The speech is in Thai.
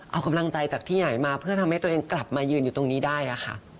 เอากำลังใจจากที่ไหนมาเพื่อทำให้ตัวเองกลับมายืนอยู่ตรงนี้ได้ค่ะ